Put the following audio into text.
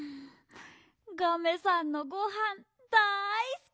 ガメさんのごはんだいすき！